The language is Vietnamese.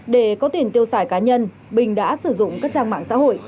để có tiền tiêu xài cá nhân bình đã sử dụng các trang mạng xã hội